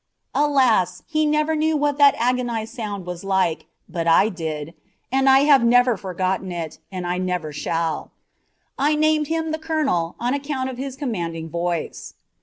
Alas! he never knew what that agonised sound was like, but I did, and I have never forgotten it, and I never shall. I named him "The Colonel" on account of his commanding voice.